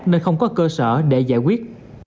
nên không có cơ sở để giải quyết